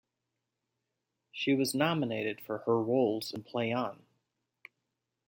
She was nominated for her roles in Play On!